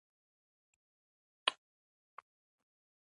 هغوی د یادونه پر لرګي باندې خپل احساسات هم لیکل.